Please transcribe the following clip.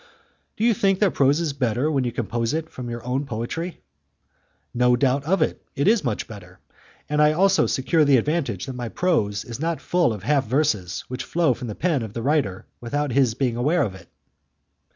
"Do you think that your prose is better when you compose it from your own poetry?" "No doubt of it, it is much better, and I also secure the advantage that my prose is not full of half verses which flow from the pen of the writer without his being aware of it."